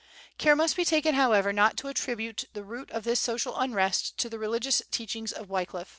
Care must be taken, however, not to attribute the root of this social unrest to the religious teachings of Wyclif.